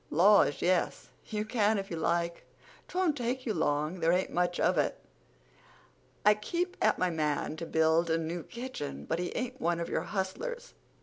"Laws, yes, you can if you like. 'Twon't take you long—there ain't much of it. I keep at my man to build a new kitchen, but he ain't one of your hustlers.